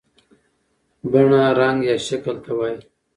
بڼه رنګ یا شکل ته وایي.